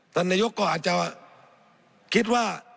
ท่านนายกก็อาจจะคิดว่า